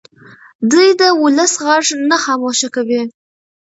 دی د ولس غږ نه خاموشه کوي.